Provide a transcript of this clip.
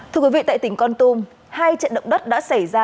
thưa quý vị tại tỉnh con tum hai trận động đất đã xảy ra